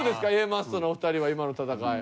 Ａマッソのお二人は今の戦い。